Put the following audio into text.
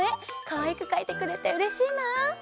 かわいくかいてくれてうれしいな！